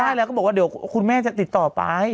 ใช่แล้วก็บอกว่าเดี๋ยวคุณแม่จะติดต่อไป